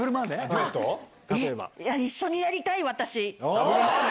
一緒にやりたい、私。